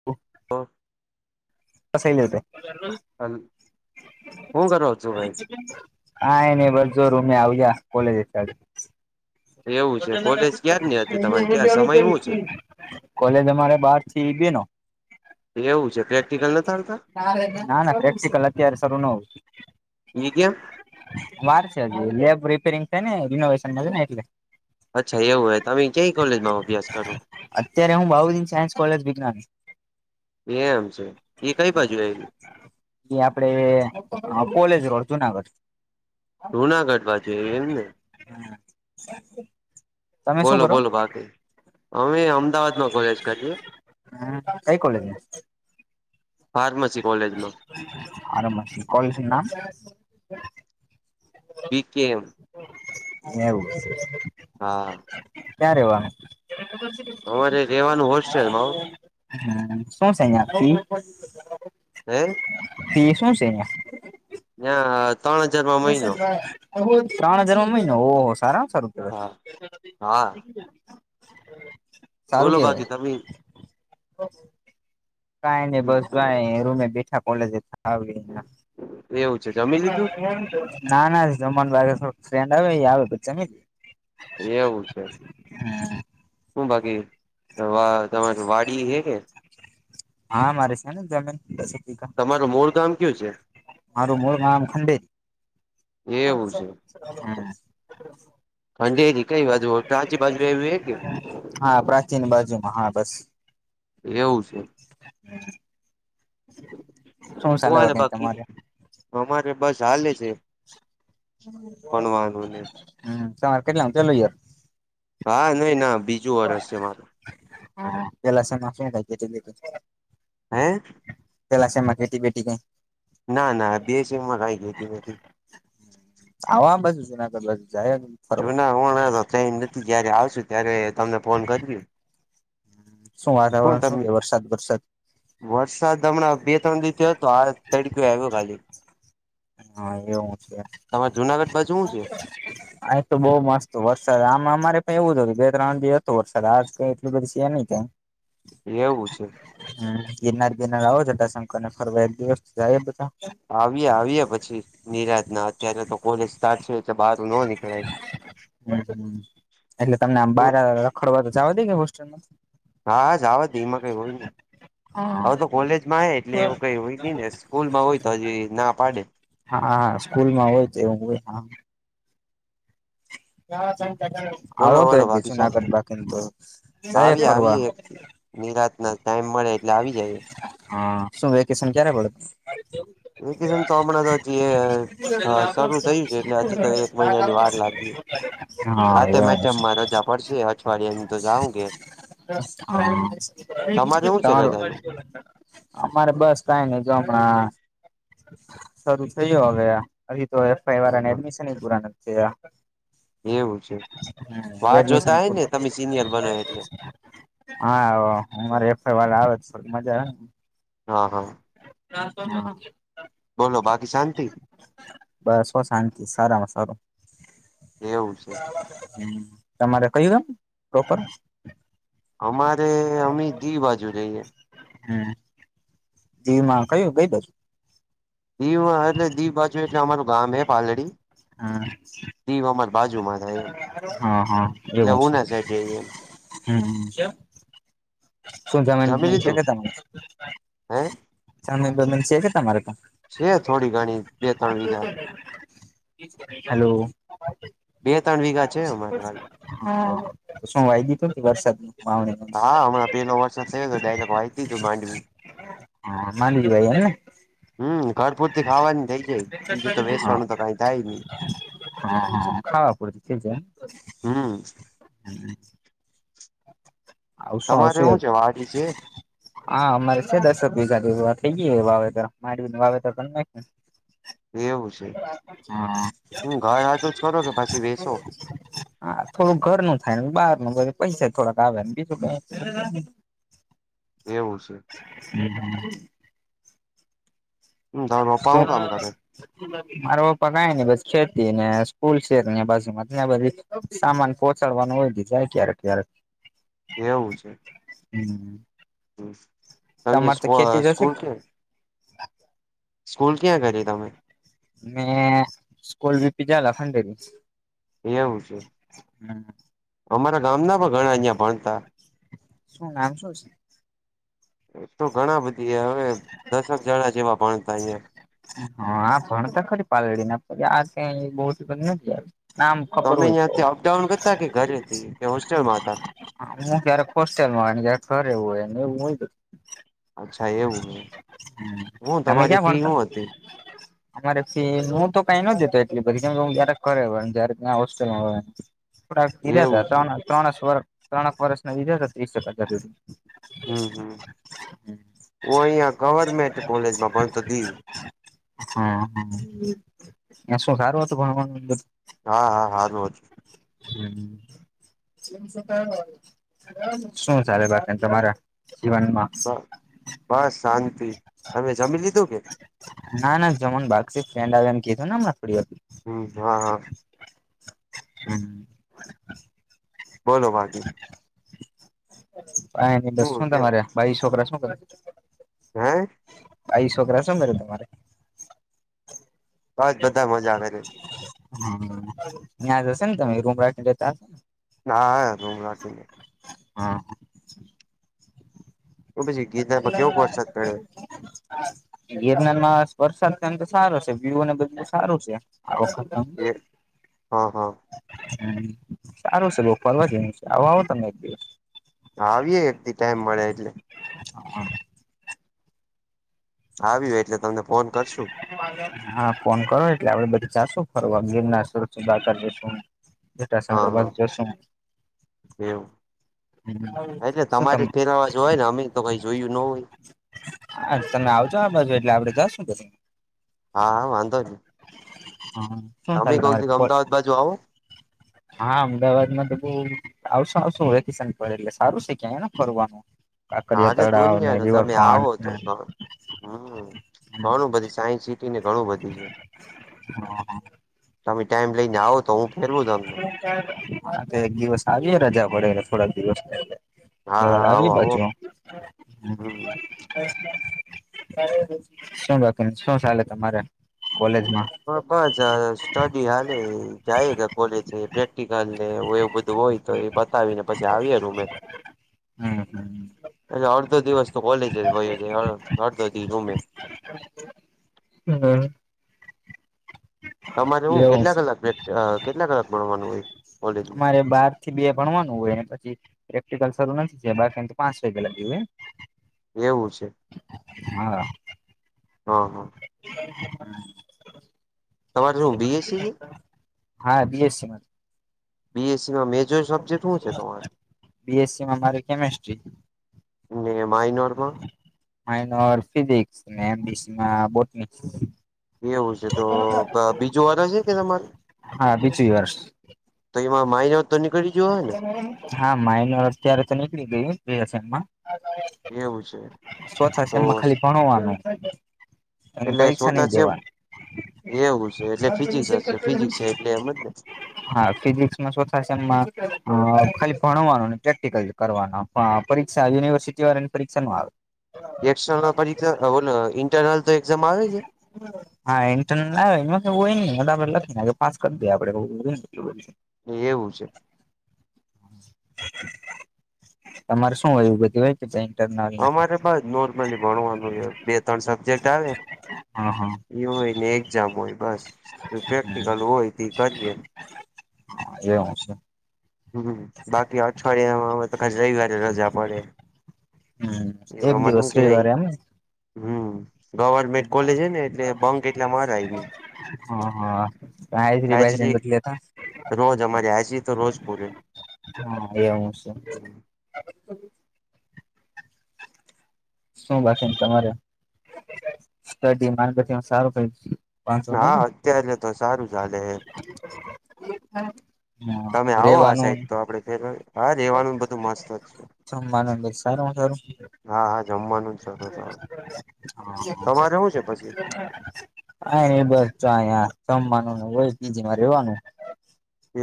હ [inaudible] હલો કંસાઈ લેતા હલ -હું કરો છું ભાઈ હા એ ને બસ જોર મેં આવી જ્યા કોલેજે [unintelligible] એવું છે કોલેજ ક્યારની હતી તમારે ક્યાં સમય હું છે [unintelligible] -કોલેજે મારે બાર થી બે નો એવું છે પ્રેક્ટિકલ નથી [unintelligible] આવતા -ના ના પ્રેક્ટિકલ અત્યારે શરૂ ન હોય ઈ કેમ વાર છે ‌હજુ લેબ રિપેરીંગ છે ને રિનોવેશન થયું ને એટલે અચ્છા એવું હે તમે કોઈ કોલેજમાં અભ્યાસ કરો અત્યારે હું બાઉદીન સાયન્સ કોલેજ વિજ્ઞાન એ મ છે એ કઈ બાજુ આવેલી એ આપડે એઅ કોલેજ રોડ જુનાગઢ જુનાગઢ બાજુ એમ ને તમે શું બોલો કરો બોલો બાકી અમે અમદાવાદમાં કોલેજ કરીએ કઈ કોલેજમાં ફાર્મસી કોલેજમાં આરભશી કોઈ છે ના બી કે એમ એવું હા કયા રેવાનું અમારે રહેવાનું હોસ્ટેલમાં હ શુંશે યા ફી હે ફી શું સે યા યા ત્રણ હજાર માં મહિનો ઓ હો સારામાં સારું કેવા. હા હા. સારું બોલો બાકી કેવાય તમે? કાય ને બસ જો આય રૂમે બેઠા કોલેજ આવીને. એવું છે જમી લીધું ના ના જમવાનું આવે ફ્રેન્ડ આવે આવે પછ જમી એવું છે. શું બાકી વા તમારી વાડી હે કે? હા મારી છે ને જમીન. વીઘા તમારું મૂળ ગામ કયુ છે? મારું મૂળ ગામ ખંડીત, એવું છે હા. ખંડેરી કઈ બાજુ હો કાચી બાજુ એવુ એ કે? હા પ્રાચીન બાજુમાં હા બસ. એવું છે. હમ હું ચાલે હાલે બાકી? તમારે? અમારે બસ હાલે છે. ભણવાનું ને હમ્મ, સવારે કેટલા કેટલું યર? હા નઈ ના બીજું વર્ષ હે મારૂ. હા તેલા સેના [unintelligible] હે? તેલા સેમાં ખેટી બેતી કઈ? ના ના દેસીમા કાઈ ખેતી નથી. આવામ બાજુ જૂનાગઢ બાજુ જાયન. જૂના હું તો ટ્રેન નથી જયારે આવશું ત્યારે તમને ફોન કર્યું. શું વાતાવરણ શું તમે છે વરસાદ વરસાદ? વરસાદ હમણાં બે ત્રણ દિવસથી હતો આ તડકે આવ્યો ખાલી. હા એવું છે તમારે જુનાગઢ બાજુ હું છે? આજ તો બઉ મસ્ત વરસાદ આમ અમારે પણ એવું હતું બે ત્રણ દિ હતો વરસાદ આ ક એટલી બધી છે નહી કઈ. એવું છે. હમ્મ, ગિરનાર બિરનાર આવો છટા શંકર ને ફરવા એક દિવસાય બધા. આવીએ આવીએ પછી નિરાશ ના અત્યારે તો કોલેજ સાચવે તે બહાર ન નીકળાય, [unintelligible] ખરવા જવા દે કે હોસ્ટેલમાં? હા જાવા દે એમાં કઈ હોય ની. હા હવ તો કોલેજમાં આય એટલે એવું કઈ હોય ની સ્કૂલમાં હોય તો હજી ના પાડે. હા હા સ્કૂલ માં હોય તો એવું હોય. બોલો આવો તો બોલો એકદી બાકી શાંતિ જૂનાગઢ બાકી ન તો જાય આવી આવી ફરવા. નિરાત ના ટાઈમ મળે એટલે આવી જાય. હા શું વેકેશન ક્યારે પડ? વેકેશન તો હમણાં તો પડે હજી શરૂ થયું છે એટલે હજી તો એક મહિના ની વાર લાગી. હા હાતમ એવું આઠમ માં રજા પડશે અઠવાડિયા ની તો જાઉ ગેર. તમારે શું છે તમારું રજાનું અમારે બસ કઈ ની જો હમણા શરૂ થયો હવે આ હજી તો એફ આઈ હ વાળાને એડમિશન પૂરા નથી થયા. હા એવું છે હમ્મ વાત એડમિશન જોતા હોય ને તમે સિનિયર બનો એટલે [unintelligible] હા આવો એફ આઈ વાળ આવે થોડી મજા આવે. હા હા. [unintelligible] બોલો બાકી શાંતિ? બસ હો શાંતિ સારામાં સારું એવું છે. હમ્મ તમારે કયું ગામ પ્રોપર. અમારે અમી દીવ બાજુ રઈએ. હમ્મ. દીવ માં કયું કઈ બાજુ. દીવ એટલે દીવ બાજુ એટલે અમાર ગામ એ પાલડી. હા. દીવ અમાર બાજુમાં થાય. એમ હા હા એટલે એવું છે. ઉના સાઈડ રહીએ એમ હમ્મ. શું જમીન જમી જમીન છે લીધું કે તમને. હે. જમીન બમીન છે કે તમારે કને. છે થોડી ઘણી બે ત્રણ વીઘા. હેલો. બે તણ વીગા જ હા શું વાઈ દીધું વરસાદની વાવણી. હા હમણાં પેલો વરસાદ થયો હતો ડાઇરેક વાઇ દીધું વાવણી. હા માલી ભાઈ એને. હમ્મ ઘર પૂરથી ખાવાની થઇ જાય બીજું તો હા વેસવાનું તો કઈ થાય નહી. હા હા ખાવા પૂરથી થઇ જાય એમ. હમ્મ. હમ્મ. તમારે આવશું એ હું છે વાડી છે. હા અમારે છે દસક વીઘા જેવું આ થઈ ગીયું હે વાવેતર માંડવીનુ વાવેતર કર નાખ્યું. એવું છે હા હું ઘર હાટુ જ કરો કે પછી વેશો. હા થોડું ઘરનું થાય ને બહારનુ પૈસા થોડાક આવેને બીજું કાંઈ ની. એવું છે. હમ્મ હમ્મ. હમ તમારા પપ્પા તો હું કામ કરે મારા પપ્પા કાય નઇ બસ ખેતી ને સ્કૂલ છે ન્યાં બાજુમા ત્યાં બધી સામાન પહોંચાડવાનું હોય દી જાય ક્યારેક ક્યારેક. એવું છે. હમ્મ. હમ્મ એમની સ્કો હશે સ્કૂલ ક્યાં? સ્કૂલ ક્યાં કરી તમે? મેં સ્કૂલ વીપી જાલા ખંડેરી. એવું છે. હમ્મ. અમારા ગામના પણ ઘણા અહ્યા ભણતા. શું નામ શું છે. એતો ઘણા બધી હવે દશક જણા જેવા ભણતા અહીંયા. હા આ ભણતા ખરી પાલડી ના પણ આ ક્યાં બહુ નથી આવી. નામ ખબર તમે હોય તો. ત્યાંથી અપડાઉન કરતા કે ઘરેથી કે હોસ્ટેલમાં હતા હા હું ક્યારેક હોસ્ટેલમાં હોય ને ક્યારેક ઘરે હોય ને એવું હોય. અચ્છા એવું હે, હું તમે તમારી ક્યાં ફી ભણતા હું હતી. અમારે ફી હું તો કંઈ નો દેતો એટલી બધી કેમ કે ક્યારેક ઘરે હોય ને ક્યારેક ન્યાં હોસ્ટેલમાં હોય. થોડા દીધા હતા એવું છે ત્રણ ત્રણસ વરસ ત્રણેક વર્ષના દીધા હતા ત્રીસેક હાજર. હમ્મ હમ્મ હું અહીંયા ગવર્મેન્ટ કોલેજમાં ભણતો દીવ. હમ્મ હમ્મ ન્યાં શુ સારુ હતું ભણવાનું ને એ બધું. હા હા હારું હતું. હમ્મ. [inaudible] શું ચાલે બાકી તમારા જીવનમાં? બ બસ શાંતિ. તમે જમી લીધું કે? ના, ના જમવાનું બાકી સે. ફ્રેન્ડ આવે એમ કીધું ને હમણાં થોડી વારમાં. હમ હા, હા બોલો બાકી પાહે ની બસ. હું શું કે તમારે બાઈયુ છોકરા શું કરે? હે? બાઈ છોકરા શું કરે છે તમારે? બસ બધા મજા કરે. હા ત્યાં હશો ને તમે રૂમ રાખીને રેતા હશોને? હા હા રૂમ રાખીને. હા તો પછી ગીરનારમાં કેવોક વરસાદ પડ્યો [inaudible] ગિરનારમાં વરસાદ ને એમ તો સારો છે, વ્યુ અને બધું સારું છે. આ વખત એક હા હા. હમ સારું છે, બોવ ફરવા જેવુ છે. આવો આવો તમે એક દિવસ. આવીએે એક દી ટાઈમ મળે એટલે. હા હા આવીએ એટલે તમને ફોન કરશું. હા, ફોન કરો એટલે આપડે બધી જાશું ફરવા ગિરનાર [inaudible] હા જટાશંકર હા બાજુ જશું. એવું? હા એટલે શું તમારે તમે ફેરવાજ હોયને અમે તો કંઈ જોયું ન હોય. હા, તમે આવજો આ બાજુ એટલે આપડે જાશું ફરવા. હા, હા વાંધો નહીં. હહ શું ચાલે દી તમારે અમદાવાદ બાજુ આવો [inaudible] હા અમદાવાદમાં તો બહુ આવશું આવશું વેકેશન પર એટલે સારું છે, ક્યાંને ફરવાનું? કાંકરિયા હાલે તળાવને, દુનિયાને તમે આવો તો રિવરફ્રન્ટને. હમ ઘણું બધું સાયન્સસિટી ને ઘણું બધી છે. હા તમે ટાઈમ લઈને આવો તો હું ફેરવું તમને. હા તો એક દિવસ આવીયે રજા પડે થોડાક દિવસ હા પહેલા. હા આવીએ આવો આવો બાજુ. હમ શું બાકી શું ચાલે તમારે કોલેજમાં? હવે કોલેજ જાઈશ. સ્ટડી હાલે જાઈએ રા કોલેજ પ્રેક્ટિકલ ને એવું બધું હોય તો એ પત તાવીને પછી આવીએ રૂમે. હમ હમ એટલે અડધો દિવસ તો કોલેજે જ વયો જાય. અડધો દિ રૂમે. બરાબર. તમારે હું એવું કેટલા છે. કલાક પ્રેક કેટલા કલાક ભણવાનું હોય કોલેજમાં? અરે બાર થી બે ભણવાનું હોય ને પછી પ્રેક્ટિકલ શરૂ નથી થયું. બાકીન તો પાંચ વાગ્યા લગી હોય. એવું છે? હા હહ હહ હમ તમારે શું બીએસસી છે? હા બીએસસીમાં. બીએસસીમાં મેજર સબ્જેક્ટ હું છે તમારે? બી. એસ. સી માં મારી કેમેસ્ટ્રી માઈનોરમાં- માનોર ફિઝિકસ એમબસીમાં બોટ- એવું છે તો બીજો વારો છે. કે તમારે? હા બીજું વર્ષ તોમાં મા- હા માઇનોર અત્યારે તો નીકળી ગઈ- સ્વછ એવું છે છે તો એમાં ખાલી ભણવાનું- એટલે પરીક્ષા નહી શોતા છે. એમ- દેવાની એવું છે એટલે ફિઝિક્સ જ છે. ફિઝિક્સ છે એટલે એમ જ ને- હા ફિઝિક્સ માં શો થાય- ખાલી ભણવાનું પ્રેક્ટિકલ કરવાનો પરીક્ષા યુનિવર્સિટી વાળ- પરીક્ષા નું આવે- એર્નલ પરીક્ષા બોલો ઇન્ટરનલ તો એક્ઝામ આવે છે. હમ હા એન્ટન આપડે લખ પાસ કરી દઈએ આપડે- એવું છે. તમારે શું આવયું ગતિ ભાઈ- ઇન્ટર- અમારે બ નોર્મલી ભણવાનું છે. બે ત્રણ સબ્જેક્ટ આવે- હા હા એ હોય ને એક્ઝામ હોય બસ પ્રેક્ટિકલ હોય તો કરી- એ હું છે. હમ બાકી અઠવાડિયામાં તો ખ રવિવારે રજા પડે- હમ એક જોગમાંઠું દિવસ કઈ હમ- ગવર્મેન્ટ કોલેજ હ હે ને એટલે બંક હા એટલા મરાય ની આયસ્રી બાયસ્રી જતલી હાજરી હતા- રોજ અમારે આ છે તો રોજ પૂરે- હા એવું છે [inaudible] શું બાકી તમારે સડી માગ સારું કે - હા અત્યારે તો સારું ચાલે- હમ તમે આવો આ સાહેબ તો આપડે ફેર હા રેવાનું બધું મસ્ત જ છે. જમવાનું સારું સારું હા હા જમવાનું જ છે તમારેવું છે પછી- હ [unintelligible] [inaudible] હા ન બસ જમવાનું હોય બીજીમાં રવાનું-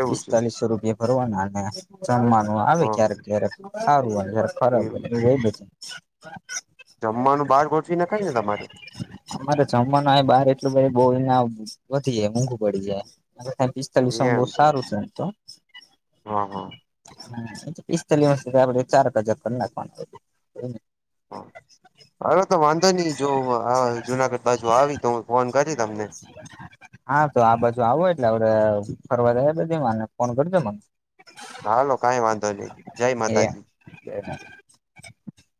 એવું છે પિસ્તાલીસો રૂપિયા ભરવાના અને જમવાનું આવે ક્યારેક હ ક્યારેક એવું સારું- [unintelligible] જમવાનું બહાર ગોઠવી નાખાય ને તમારે- અમારે જમવાનું બાર એટલું બહુ વધી જાય મોંઘું પડી જાય- ખલીસ બહ સારું છે તો- હા હા એ પિસ્તાલી વસ સુધી આપડે ચાર કજક કરી નાખવાનું- હાલોવાંધો નહી જો જુનાગઢ બાજુ આવી તો હું ફોન કરી તમને- [inaudible] હા તો આ બાજુ આવો એટલે આપડ ફરવા બીને ફોન કરજો મને- હા હાલો કંઈ વાંધો નહી જય માતાજી- [inaudible]